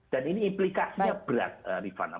dan ini implikasinya berat rifana